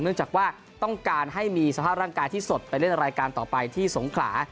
เนื่องจากว่าต้องการให้มีสภาพร่างกายที่สดไปเล่นรายการต่อไปที่สงขลา